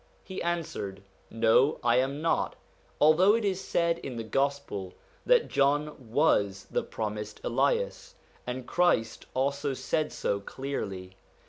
' He answered: 'No, I am not/ although it is said in the Gospel that John was the promised Elias, and Christ also said so clearly.